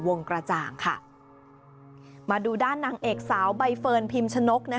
กระจ่างค่ะมาดูด้านนางเอกสาวใบเฟิร์นพิมชนก